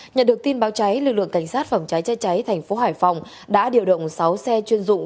nhận được tin báo cháy lực lượng cảnh sát phòng cháy cháy thành phố hải phòng đã điều động sáu xe chuyên dụng